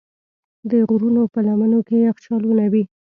د غرونو په لمنو کې یخچالونه وي.